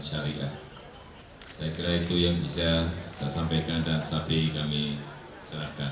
saya kira itu yang bisa saya sampaikan dan sampai kami serahkan